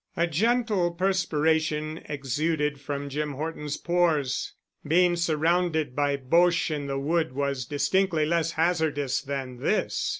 A gentle perspiration exuded from Jim Horton's pores. Being surrounded by Boches in the wood was distinctly less hazardous than this.